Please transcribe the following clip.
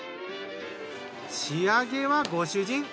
仕上げはご主人。